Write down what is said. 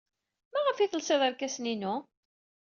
Maɣef ay telsid irkasen-inu?